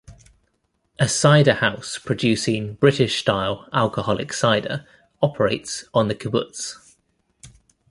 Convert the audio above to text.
A cider house producing British-style alcoholic cider operates on the kibbutz.